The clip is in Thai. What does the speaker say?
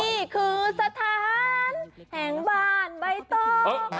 นี่คือสถานแห่งบ้านใบตอง